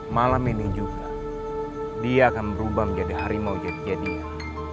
malam ini juga dia akan berubah menjadi harimau jadi jadian